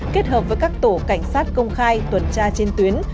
kết hợp với các tổ cảnh sát công khai tuần tra trên tuyến